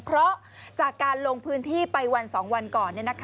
เพราะจากการลงพื้นที่ไปวัน๒วันก่อน